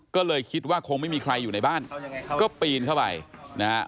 ก็เลยคิดว่าคงไม่มีใครอยู่ในบ้านก็ปีนเข้าไปนะฮะ